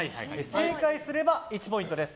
正解すれば１ポイントです。